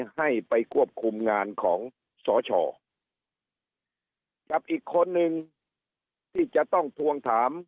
ให้ไปควบคุมงานของสชกับอีกคนนึงที่จะต้องทวงถาม